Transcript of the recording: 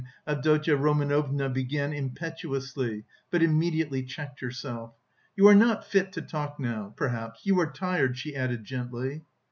Avdotya Romanovna began impetuously, but immediately checked herself. "You are not fit to talk now, perhaps; you are tired," she added gently.